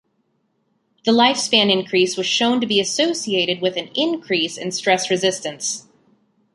The lifespan increase was shown to be associated with an increase in stress resistance.